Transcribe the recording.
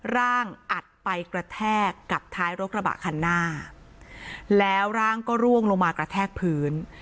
ร่างอัดไปกระแทกกับท้ายรกระบะคันหน้าแล้วร่างก็ร่วงลงมากระแทกพื้น